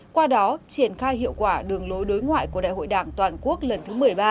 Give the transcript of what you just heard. qua đó triển khai hiệu quả đường lối đối ngoại của đại hội đảng toàn quốc lần thứ một mươi ba